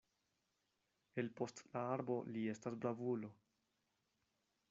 El post la arbo li estas bravulo.